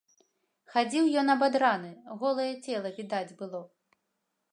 Хадзіў ён абадраны, голае цела відаць было.